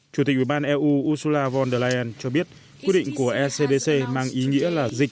chủ tịch ủy ban eu ursula von der leyen cho biết quyết định của ecdc mang ý nghĩa là dịch